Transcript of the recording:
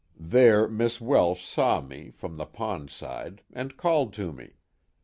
There Miss Welsh saw me, from the pond side, and called to me.